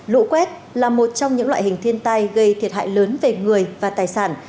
lũ quét là một trong những loại hình thiên tai gây thiệt hại lớn về người và tài sản